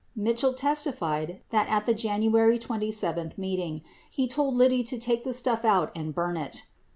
54 Mitchell testified that, at the January 27 meeting, he told Liddy to "take the stuff out and burn it."